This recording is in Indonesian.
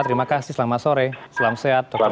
terima kasih selamat sore selamat sehat dr syahril